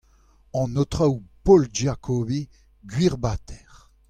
An Aotrou Paul Giacobbi : Gwir-Bater !